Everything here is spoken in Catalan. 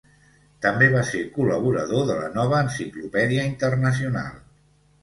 També va ser col·laborador de la Nova Enciclopèdia Internacional.